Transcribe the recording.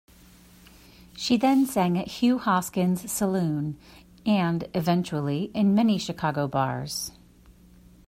She then sang at Hugh Hoskin's saloon and, eventually, in many Chicago bars.